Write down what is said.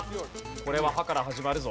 これは「は」から始まるぞ。